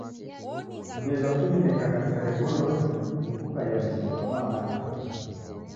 Ngelo ininekagha sere ngolonyi ni kukaia mzinyi kwa mao na aba.